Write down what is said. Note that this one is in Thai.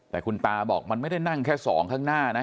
แต่คุณตาบอกมันไม่ได้นั่งแค่สองข้างหน้านะ